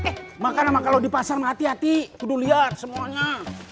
eh makan sama kalau di pasar berhati hati udah lihat semuanya